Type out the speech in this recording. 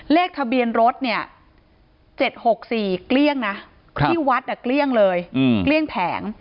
เลขทะเบียนรถเนี่ย๗๖๔เกลี้ยงนะที่วัดเกลี้ยงเลยเกลี้ยงแผง